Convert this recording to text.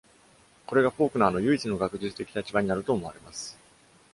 これがフォークナーの唯一の学術的立場になると思われます。